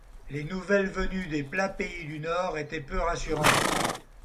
Les nouvelles venues des plats pays du Nord étaient peu rassurantes.